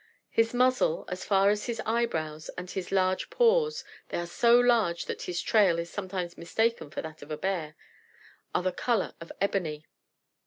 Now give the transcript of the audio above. His muzzle, as far as his eyebrows, and his large paws (they are so large that his trail is sometimes mistaken for that of a bear) are the colour of ebony.